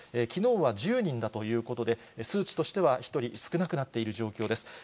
きのうは１０人だということで、数値としては１人少なくなっている状況です。